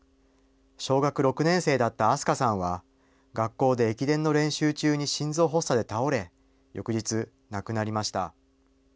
小学６年生だった明日香さんは、学校で駅伝の練習中に心臓発作で倒れ、翌日、亡くなりました。